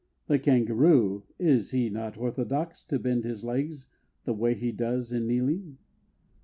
The Kangaroo is he not orthodox To bend his legs, the way he does, in kneeling?